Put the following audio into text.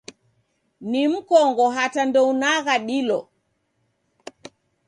Ni mkongo hata ndounagha dilo.